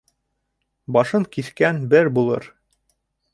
Башын киҫкән бер булыр.